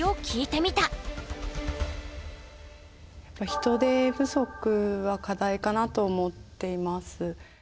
やっぱ人手不足は課題かなと思っています。